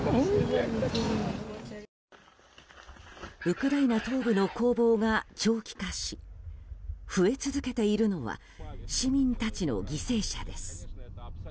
ウクライナ東部の攻防が長期化し増え続けているのは市民たちの犠牲者です。